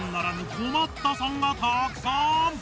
困ったさんがたくさん！